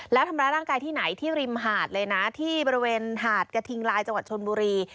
แล้วทำร้ายร่างกายที่ไหนที่ริมหาดเลยนะที่บริเวณหาดกระทิงลายจังหวัดชนบุรี